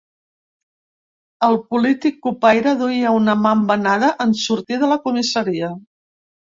El polític cupaire duia una mà embenada en sortir de la comissaria.